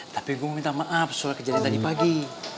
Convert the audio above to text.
tapi gua mau minta maaf soal kejadian tadi pagi